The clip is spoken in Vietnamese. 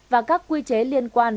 và các quy chế liên quan